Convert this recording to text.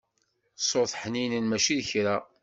Ṣṣut ḥninen mačči d kra.